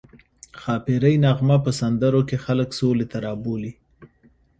ښاپیرۍ نغمه په سندرو کې خلک سولې ته رابولي